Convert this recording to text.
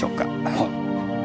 はい。